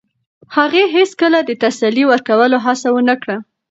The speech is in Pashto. هغې هیڅکله د تسلي ورکولو هڅه ونه کړه.